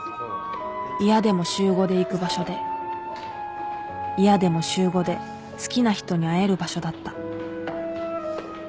嫌でも週５で行く場所で嫌でも週５で好きな人に会える場所だった